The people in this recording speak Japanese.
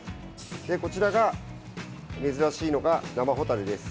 こちらが、珍しいのが生ホタルです。